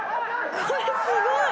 これすごい。